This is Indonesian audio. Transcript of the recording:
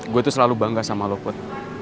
gue tuh selalu bangga sama lo put